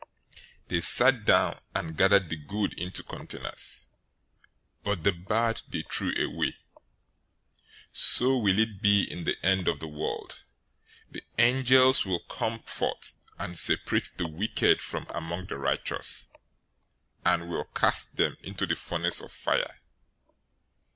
They sat down, and gathered the good into containers, but the bad they threw away. 013:049 So will it be in the end of the world. The angels will come forth, and separate the wicked from among the righteous, 013:050 and will cast them into the furnace of fire.